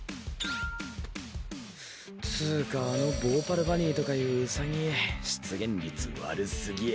つぅかあのヴォーパルバニーとかいう兎出現率悪すぎ。